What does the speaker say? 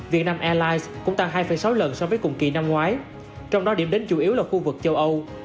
việt nam airlines cũng tăng hai sáu lần so với cùng kỳ năm ngoái trong đó điểm đến chủ yếu là khu vực châu âu